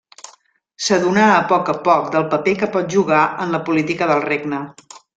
S'adonà a poc a poc del paper que pot jugar en la política del regne.